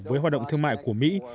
với hoạt động thương mại của mỹ